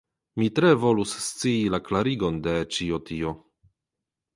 Mi tre volus scii la klarigon de ĉio tio.